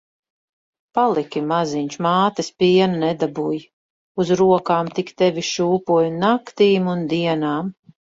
Paliki maziņš, mātes piena nedabūji. Uz rokām tik tevi šūpoju naktīm un dienām.